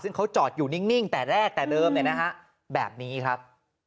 ซึ่งเขาจอดอยู่นิ่งแต่แรกแต่เดิมแบบนี้ครับ